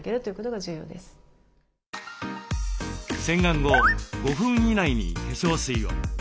洗顔後５分以内に化粧水を。